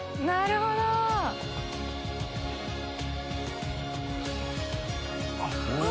なるほど。